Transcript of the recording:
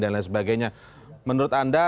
dan lain sebagainya menurut anda